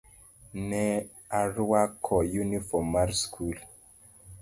Ne arwako yunifom mar skul.